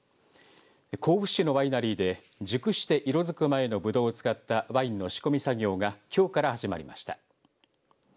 甲府市のワイナリーで熟して色づく前のブドウを使ったワインの仕込み作業がきょうから始まりました。